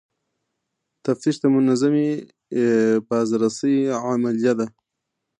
تفتیش د منظمې بازرسۍ عملیه ده.